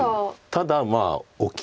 ただまあ大きい。